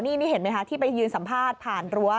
นี่เห็นไหมคะที่ไปยืนสัมภาษณ์ผ่านรั้ว